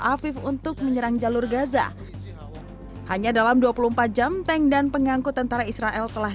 afif untuk menyerang jalur gaza hanya dalam dua puluh empat jam tank dan pengangkut tentara israel telah